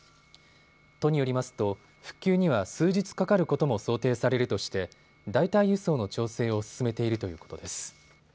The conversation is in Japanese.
都によりますと復旧には数日かかることも想定されるとして代替輸送の調整を進めているということです。